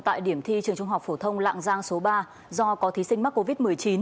tại điểm thi trường trung học phổ thông lạng giang số ba do có thí sinh mắc covid một mươi chín